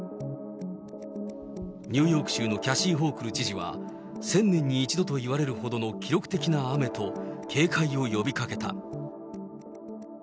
ニューヨーク州のキャシー・ホークル知事は、１０００年に１度といわれるほどの記録的な雨と、警戒を呼びかけた。